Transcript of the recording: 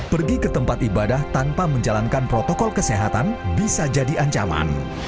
pergi ke tempat ibadah tanpa menjalankan protokol kesehatan bisa jadi ancaman